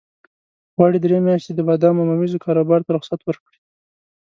غواړي درې میاشتې د بادامو او ممیزو کاروبار ته رخصت ورکړي.